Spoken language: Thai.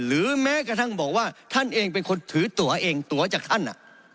แม้กระทั่งบอกว่าท่านเองเป็นคนถือตัวเองตัวจากท่าน